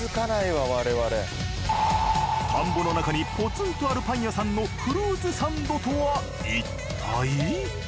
田んぼの中にポツンとあるパン屋さんのフルーツサンドとはいったい？